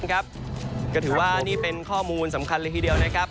ก็ถือว่านี่เป็นข้อมูลสำคัญเลยทีเดียวนะครับ